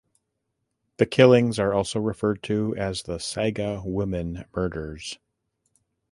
The killings are also referred to as the Saga Women Murders.